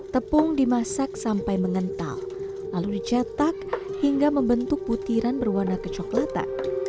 tepung dimasak sampai mengental lalu dicetak hingga membentuk butiran berwarna kecoklatan